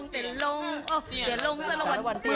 ทักษะระวัญตำตี้ลง